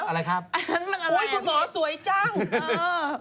โอ๊ยคุณหมอสวยจัง